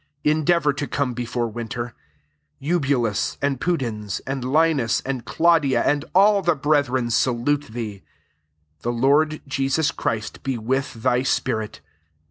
21 Endeavour to come before winter. Eubulus, and Pudens, and Linus, and Claudia, and all the brethren, salute thee. 22 The Lord Jesus Christ be with thy spirit.